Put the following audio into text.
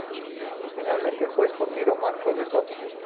Finalmente, fue escogido Marcos de Soto.